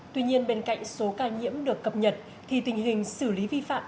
tuy nhiên bên cạnh số ca nhiễm được cập nhật thì tình hình xử lý vi phạm